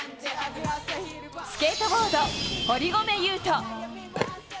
スケートボード、堀米雄斗。